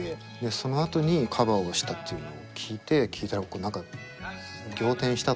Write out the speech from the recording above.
そのあとにカバーをしたっていうのを聞いて聴いたらこう何か仰天したというか。